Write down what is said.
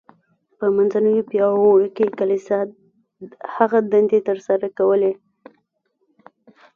په منځنیو پیړیو کې کلیسا هغه دندې تر سره کولې.